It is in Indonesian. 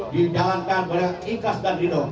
di jalankan dengan ikhlas dan ridho